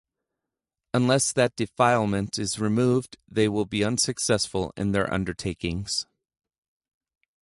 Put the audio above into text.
Unless that defilement is removed, they will be unsuccessful in their undertakings.